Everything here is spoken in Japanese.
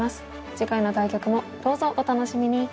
次回の対局もどうぞお楽しみに！